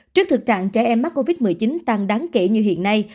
trước thực trạng trẻ em mắc covid một mươi chín tăng đáng kể như hiện nay